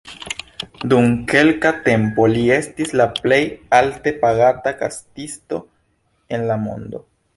Dum kelka tempo li estis la plej alte pagata kantisto en la mondo.